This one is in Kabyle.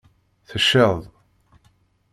Tecceḍ.